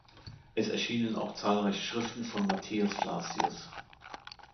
Es erschienen auch zahlreiche Schriften von Matthias Flacius.